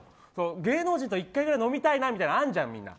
芸能人と１回ぐらい飲みたいみたいなのあるじゃん、みんな。